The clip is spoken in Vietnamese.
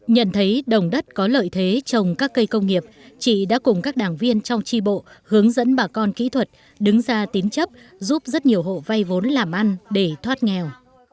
nhận thấy đồng đất có lợi thế trồng các cây công nghiệp chị đã cùng các đảng viên trong tri bộ hướng dẫn bà con kỹ thuật đứng ra tín chấp giúp rất nhiều hộ vay vốn làm ăn để thoát nghèo